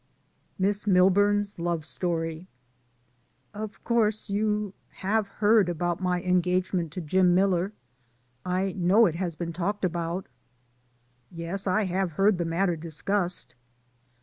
MISS milburn's love story. "Of course you have heard about my en gagement to Jim Miller. I know it has been talked about." "Yes ; I have heard the matter discussed."